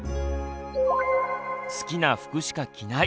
好きな服しか着ない。